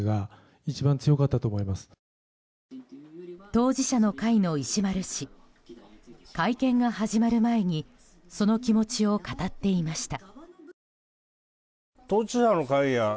当事者の会の石丸氏会見が始まる前にその気持ちを語っていました。